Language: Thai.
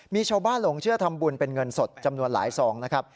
มีชาวบ้านหลงเชื่อทำบุญเป็นเงินสดจำนวนหลายซองนะครับ